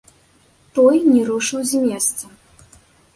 Той не рушыў з месца.